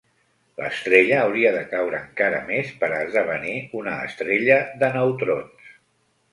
L'estrella hauria de caure encara més per a esdevenir una estrella de neutrons.